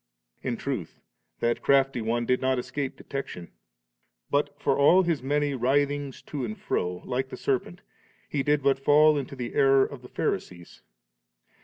In truth, that crafty one did not escape detection ; but, for all his many writhings to and fro, like the serpent, he did but fall into the error of the Pharisees.